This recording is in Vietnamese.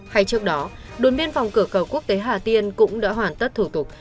hay trước đó đồn biên phòng cửa khẩu quốc tế hà tiên cũng đã hoàn tất thủ tục